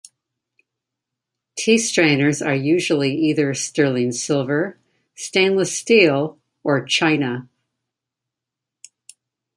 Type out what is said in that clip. Tea strainers are usually either sterling silver, stainless steel, or china.